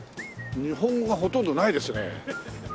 日本語がほとんどないですねえ。